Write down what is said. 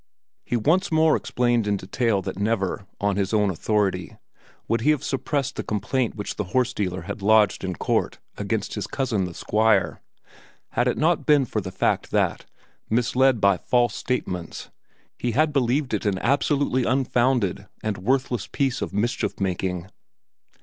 He once more explained in detail that never, on his own authority, would he have suppressed the complaint which the horse dealer had lodged in court against his cousin the Squire, had it not been for the fact that, misled by false statements, he had believed it an absolutely unfounded and worthless piece of mischief making.